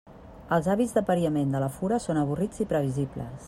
Els hàbits d'apariament de la fura són avorrits i previsibles.